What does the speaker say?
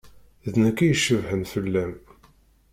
D nekk i icebḥen fell-am.